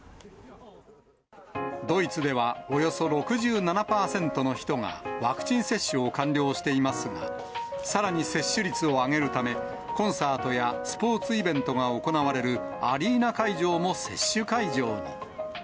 ドイツでは、およそ６７％の人がワクチン接種を完了していますが、さらに接種率を上げるため、コンサートやスポーツイベントが行われるアリーナ会場も接種会場に。